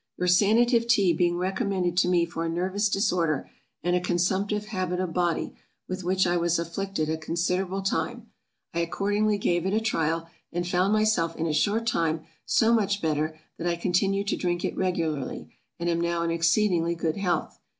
YOUR Sanative Tea being recommended to me for a nervous disorder and a consumptive habit of body, with which I was afflicted a considerable time, I accordingly gave it a trial, and found myself in a short time so much better, that I continued to drink it regularly, and am now in exceeding good health.